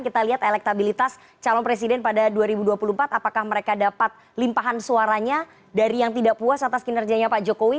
kita lihat elektabilitas calon presiden pada dua ribu dua puluh empat apakah mereka dapat limpahan suaranya dari yang tidak puas atas kinerjanya pak jokowi